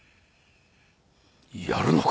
「やるのか！」。